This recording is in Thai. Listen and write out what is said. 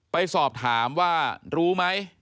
ไปสอบถามว่ารู้ไหม